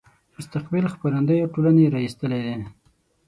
مستقبل خپرندويه ټولنې را ایستلی دی.